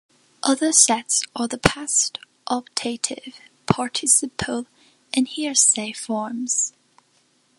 Other sets are the past, optative, participial and hearsay forms.